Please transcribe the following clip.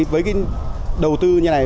với cái đầu tư như này